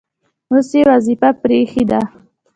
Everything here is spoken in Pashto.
اوس یې وظیفه پرې ایښې ده.